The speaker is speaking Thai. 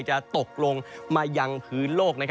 จะตกลงมายังพื้นโลก